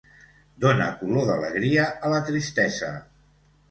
Dona color d'alegria a la tristesa.